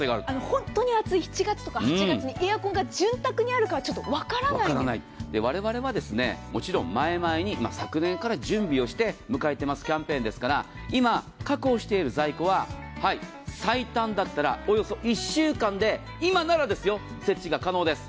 本当に暑い７月とか８月にエアコンが潤沢にあるか我々は前々に昨年から準備をして迎えていますキャンペーンですから今、確保している在庫は最短だったらおよそ１週間で今なら設置が可能です。